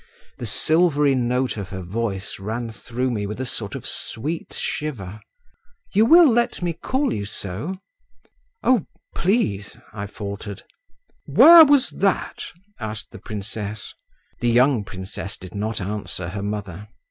(The silvery note of her voice ran through me with a sort of sweet shiver.) "You will let me call you so?" "Oh, please," I faltered. "Where was that?" asked the princess. The young princess did not answer her mother.